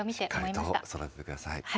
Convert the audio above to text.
しっかりと育ててください。